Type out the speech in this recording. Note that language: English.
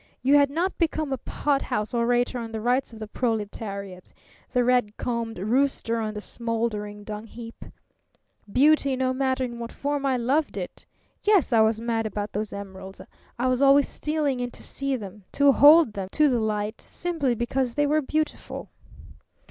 You had not become a pothouse orator on the rights of the proletariat the red combed rooster on the smouldering dungheap! Beauty, no matter in what form, I loved it. Yes, I was mad about those emeralds. I was always stealing in to see them, to hold them to the light, simply because they were beautiful."